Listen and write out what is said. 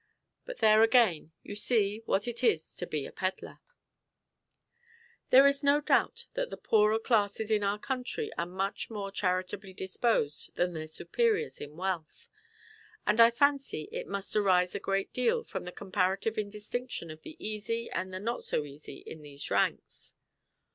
But there again you see what it is to be a pedlar. There is no doubt that the poorer classes in our country are much more charitably disposed than their superiors in wealth. And I fancy it must arise a great deal from the comparative indistinction of the easy and the not so easy in these ranks.